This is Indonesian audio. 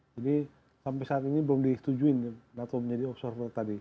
jadi sampai saat ini belum ditujuin nato menjadi observer tadi